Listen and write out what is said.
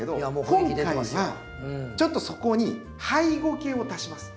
今回はちょっとそこにハイゴケを足します。